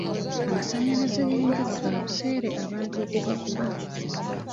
Amasannyalaze g'enjuba ga buseere abantu okugagula.